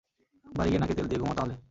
বাড়ি গিয়ে নাকে তেল দিয়ে ঘুমাও তাহলে।